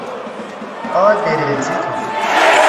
آ دیریل سی تھو ۔